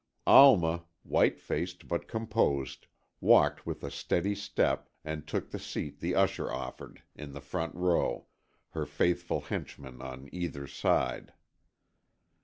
Alma, white faced but composed, walked with a steady step, and took the seat the usher offered, in the front row, her faithful henchmen on either side.